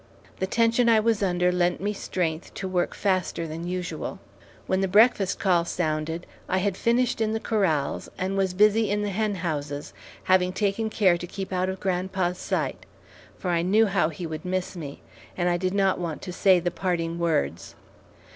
The tension I was under lent me strength to work faster than usual. When the breakfast call sounded, I had finished in the corrals, and was busy in the hen houses, having taken care to keep out of grandpa's sight; for I knew how he would miss me, and I did not want to say the parting words.